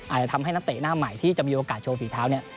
อาจจะทำให้นักเตะหน้าใหม่ที่จะมีโอกาสโชว์ฝีเท้าเนี่ย